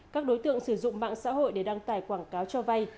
các đối tượng sử dụng mạng xã hội để đăng tải quảng cáo cho vay